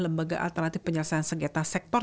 lembaga alternatif penyelesaian sengketa sektor